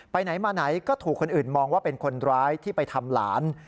ไปไหนมาไหนก็ถูกคนอื่นมองว่าเป็นคนร้ายที่ไปทำหลาน